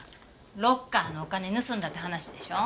ロッカーのお金盗んだって話でしょ？